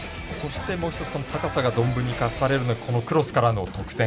もう一つ、高さが存分に生かされるのがこのクロスからの得点。